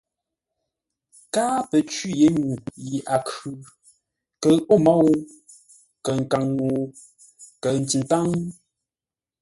Káa pə́ cwî yé ŋuu yi a khʉ, kəʉ o môu, kəʉ nkaŋ-ŋuu, kəʉ ntikáŋ.